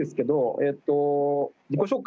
えっと